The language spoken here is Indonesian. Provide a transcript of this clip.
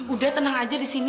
udah tenang aja di sini